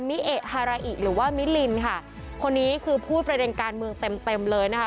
มิเอฮาราอิหรือว่ามิลินค่ะคนนี้คือพูดประเด็นการเมืองเต็มเต็มเลยนะคะ